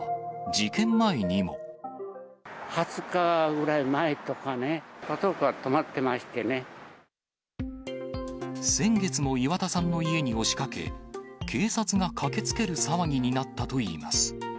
２０日ぐらい前とかね、先月も岩田さんの家に押しかけ、警察が駆けつける騒ぎになったといいます。